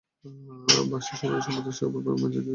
বাক্সের সমুদয় সম্পত্তি সে উপুড় করিয়া মেঝেতে ঢালিয়াছে।